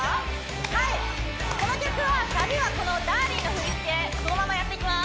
はいこの曲はサビはこの「Ｄａｒｌｉｎｇ」の振り付けそのままやっていきます